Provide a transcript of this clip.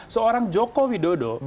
seorang joko widodo